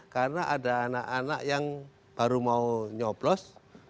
karena ada anak anak yang baru mau nyobros